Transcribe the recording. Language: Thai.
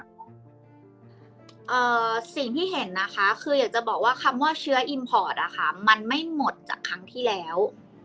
สิ่งที่เห็นนะคะคืออยากจะบอกว่าคำว่าเชื้ออิมพอร์ตมันไม่หมดจากครั้งที่แล้ว